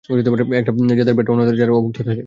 একটা যাদের পেট বড় আর অন্যটা যারা অভুক্ত থাকে।